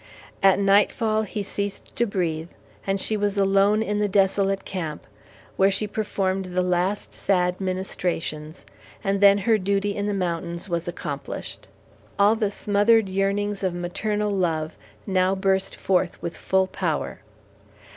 At nightfall he ceased to breathe, and she was alone in the desolate camp, where she performed the last sad ministrations, and then her duty in the mountains was accomplished. All the smothered yearnings of maternal love now burst forth with full power.